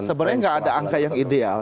sebenarnya nggak ada angka yang ideal